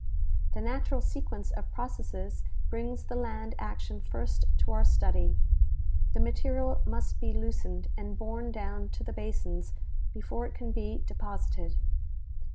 The natural sequence of processes brings the land action first to our study. The material must be loosened and borne down to the basins before it can be deposited.